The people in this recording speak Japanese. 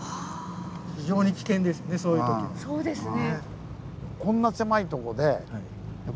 そうですね。